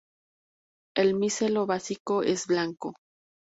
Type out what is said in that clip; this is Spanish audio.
El micelio básico es blanco.